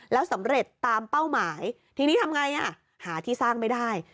แล้วสำเร็จตามเป้าหมายทีนี้ทำไงอ่ะหาที่สร้างไม่ได้